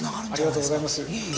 ありがとうございます。